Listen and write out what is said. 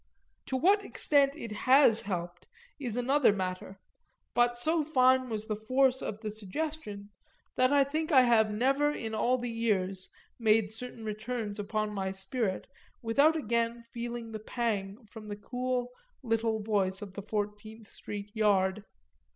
To what extent it has helped is another matter, but so fine was the force of the suggestion that I think I have never in all the years made certain returns upon my spirit without again feeling the pang from the cool little voice of the Fourteenth Street yard.